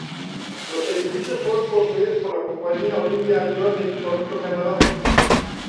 Los edificios fueron construidos por la compañía Olympia and York de Toronto, Canadá.